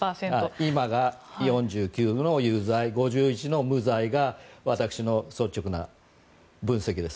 今が４９の有罪５１の無罪が私の率直な分析です。